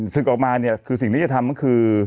สิ่งก่อนมาเนี่ยคือสิ่งที่จะทำคือ